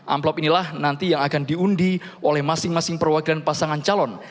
amplop inilah nanti yang akan diundi oleh masing masing perwakilan pasangan calon